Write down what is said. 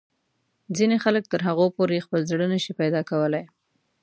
ځینې خلک تر هغو پورې خپل زړه نه شي پیدا کولای.